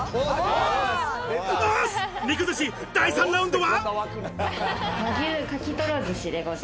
肉寿司、第３ラウンドは。